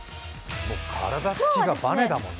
体つきがバネだもんね。